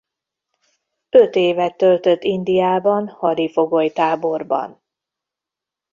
Öt évet töltött Indiában hadifogolytáborban.